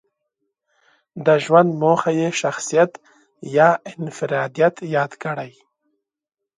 د ژوند موخه یې شخصيت يا انفراديت ياد کړی.